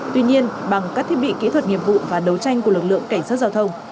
tuy nhiên bằng các thiết bị kỹ thuật nghiệp vụ và đấu tranh của lực lượng cảnh sát giao thông